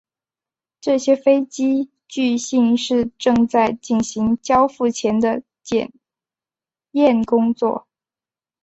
这些飞机据信是正在进行交付前的检验工作。